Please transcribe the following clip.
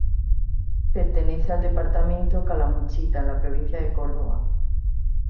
Pertenece al departamento Calamuchita, en la provincia de Córdoba.